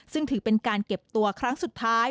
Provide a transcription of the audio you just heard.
ซึ่งถือเป็นการเก็บตัวครั้งสุดท้าย